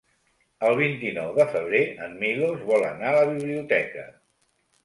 El vint-i-nou de febrer en Milos vol anar a la biblioteca.